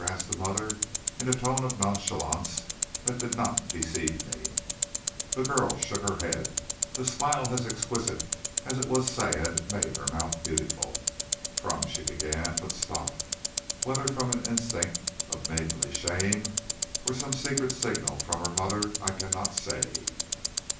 asked the mother, in a tone of nonchalance that did not deceive me. The girl shook her head. A smile as exquisite as it was sad made her mouth beautiful. "From " she began, but stopped, whether from an instinct of maidenly shame or some secret signal from her mother, I cannot say.